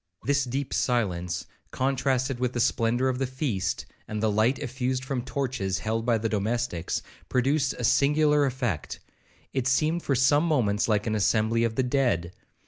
This deep silence, contrasted with the splendour of the feast, and the light effused from torches held by the domestics, produced a singular effect,—it seemed for some moments like an assembly of the dead.